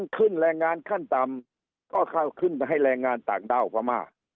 ขั้นต่ำก็เข้าขึ้นให้แรงงานต่างด้าวกว่ามาก